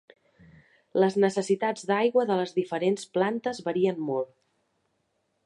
Les necessitats d'aigua de les diferents plantes varien molt.